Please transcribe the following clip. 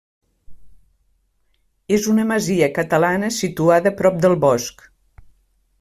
És una masia catalana situada prop del bosc.